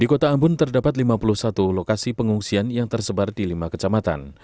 di kota ambun terdapat lima puluh satu lokasi pengungsian yang tersebar di lima kecamatan